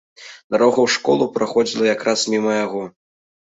Дарога ў школу праходзіла якраз міма яго.